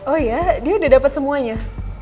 oh iya dia udah dapet semuanya